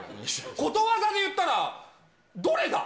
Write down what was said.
ことわざで言ったら、どれだ？